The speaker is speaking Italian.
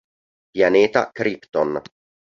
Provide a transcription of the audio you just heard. Pianeta Krypton.